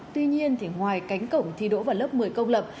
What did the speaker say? tuy nhiên ngoài cánh cổng thi đỗ vào lớp một mươi công lập